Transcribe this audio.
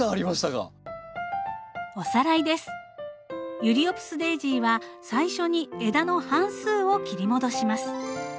ユリオプスデージーは最初に枝の半数を切り戻します。